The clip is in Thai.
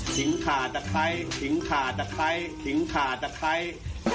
หิงขาตะไคร้หิงขาตะไคร้หิงขาตะไคร้